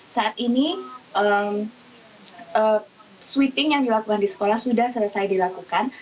saat ini sweeping yang dilakukan di sekolah sudah selesai dilakukan